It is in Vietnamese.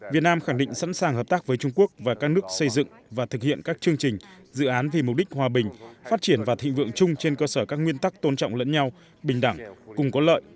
việt nam khẳng định sẵn sàng hợp tác với trung quốc và các nước xây dựng và thực hiện các chương trình dự án vì mục đích hòa bình phát triển và thịnh vượng chung trên cơ sở các nguyên tắc tôn trọng lẫn nhau bình đẳng cùng có lợi